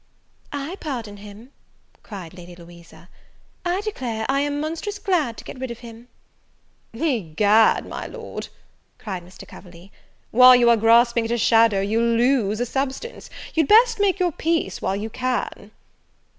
"I pardon him!" cried Lady Louisa; "I declare I am monstrous glad to get rid of him." "Egad, my Lord," cried Mr. Coverley, "while you are grasping at a shadow, you'll lose a substance; you'd best make your peace while you can."